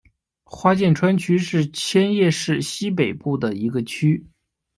花见川区是千叶市西北部的一个区。